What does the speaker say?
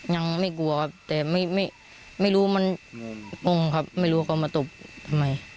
ยังไม่กลัวครับแต่ไม่รู้มันงงครับไม่รู้ว่าเขามาตบทำไม